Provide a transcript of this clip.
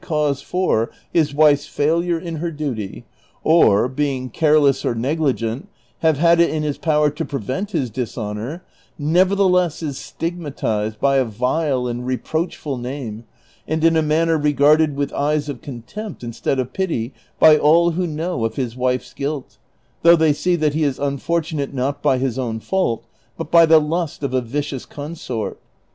281 cause for his \vife"'s failure In her duty, or (being careless or negli gent) have had it in his power to prevent his dishonor, nevertheless is stigmatized by a vile and reproachful name, and in a manner regarded with eyes of contempt instead of pity by all who know of his wife's guilt, though tiiey see tliat he is unfortunate not by his own fault, but by the lust of a vicious consort.